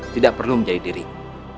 tidak perlu menjadi dirimu